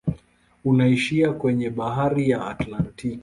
Unaishia kwenye bahari ya Atlantiki.